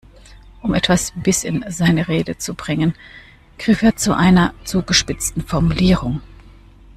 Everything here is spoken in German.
Um etwas Biss in seine Rede zu bringen, griff er zu einer zugespitzten Formulierung.